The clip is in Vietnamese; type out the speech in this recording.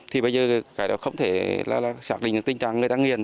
thì bây giờ cái đó không thể là xác định tình trạng người ta nghiền